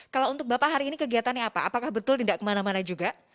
kalau untuk bapak hari ini kegiatannya apa apakah betul tidak kemana mana juga